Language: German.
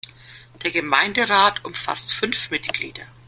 Der Gemeinderat umfasst fünf Mitglieder.